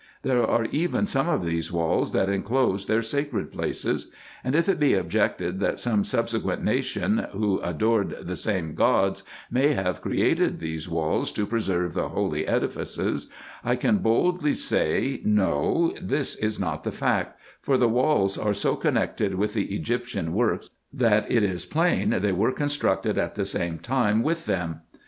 There are even some of these walls that enclose their sacred places : and if it be objected, that some subsequent nation, who adored the same gods, may have erected these walls to preserve the holy edifices, ■I can boldly say: No, this was not the fact; for the walls are so connected with the Egyptian works, that it is plain they were con structed at the same time with them.